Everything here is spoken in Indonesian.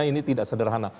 ini tidak sederhana